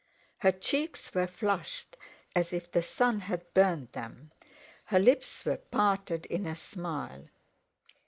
Her cheeks were flushed as if the sun had burned them; her lips were parted in a smile.